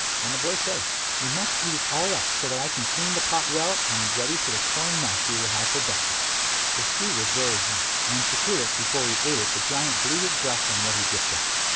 And the boy said, "We must eat it all up so that I can clean the pot well and ready for the corn mush we will have for breakfast." The stew was very hot, and to cool it before he ate it the giant blew his breath on what he dipped out.